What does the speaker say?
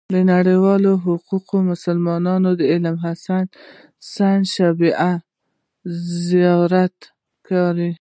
په نړيوالو حقوقو کې مسلمان عالم حسن الشيباني زيات کار